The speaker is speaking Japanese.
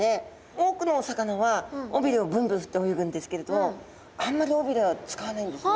多くのお魚は尾びれをブンブン振って泳ぐんですけれどあんまり尾びれは使わないんですね。